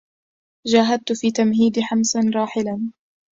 جاهدت في تمهيد حمص راحلا